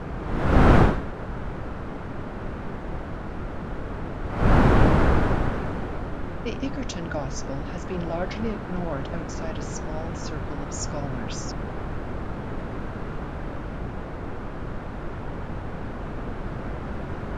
The Egerton Gospel has been largely ignored outside a small circle of scholars.